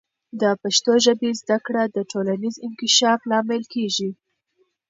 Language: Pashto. د پښتو ژبې زده کړه د ټولنیز انکشاف لامل کیږي.